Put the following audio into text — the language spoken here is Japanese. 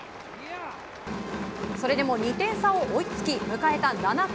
それでも２点差を追いつき迎えた７回。